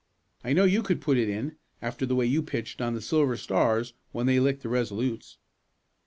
I know you could put it in, after the way you pitched on the Silver Stars when they licked the Resolutes."